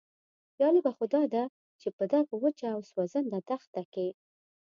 جالبه خو داده چې په دغه وچه او سوځنده دښته کې.